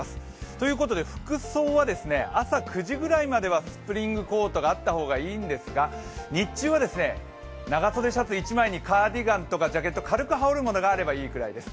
ということで服装は朝９時くらいまではスプリングコートがあった方がいいんですが日中は長袖シャツ１枚にカーディガンとかジャケット、軽く羽織るものがあればいいぐらいです。